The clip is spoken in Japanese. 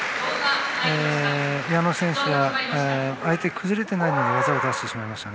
矢野選手が相手が崩れてないのに技を出してしまいました。